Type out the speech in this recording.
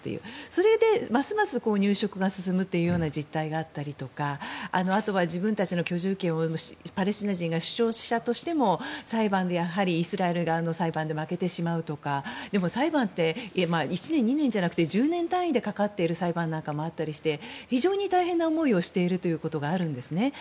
それでますます入植が進むという実態があったりとかあとは自分たちの居住権をパレスチナ人が主張したとしてもイスラエル側の裁判で負けてしまうとかでも、裁判って１年、２年じゃなくて１０年単位でかかっている裁判なんかもあったりして、非常に大変な思いをしていることがあるんですね。